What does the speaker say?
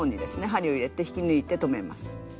針を入れて引き抜いて止めます。